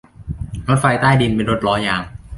รถไฟใต้ดินเป็นรถล้อยาง